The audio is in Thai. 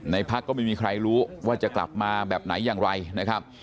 พักก็ไม่มีใครรู้ว่าจะกลับมาแบบไหนอย่างไรนะครับ